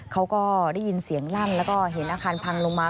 เขาก็ได้ยินเสียงลั่นแล้วก็เห็นอาคารพังลงมา